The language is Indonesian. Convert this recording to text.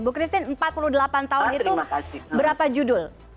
bu christine empat puluh delapan tahun itu berapa judul